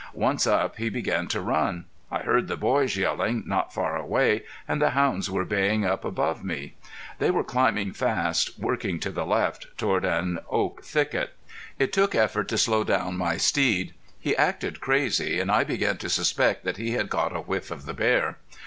Once up he began to run. I heard the boys yelling not far away and the hounds were baying up above me. They were climbing fast, working to the left, toward an oak thicket. It took effort to slow down my steed. He acted crazy and I began to suspect that he had caught a whiff of the bear.